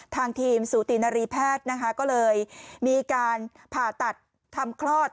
ทางทีมสูตินรีแพทย์นะคะก็เลยมีการผ่าตัดทำคลอด